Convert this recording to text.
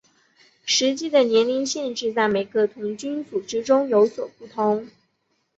实际的年龄限制在每个童军组织中有所不同。